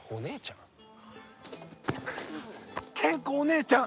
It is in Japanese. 賢子お姉ちゃん！